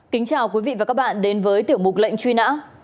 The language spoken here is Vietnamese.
kính chào quý vị và các bạn đến với tiểu mục lệnh truy nã